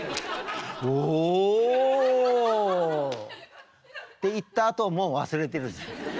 お。って言ったあともう忘れてるでしょ。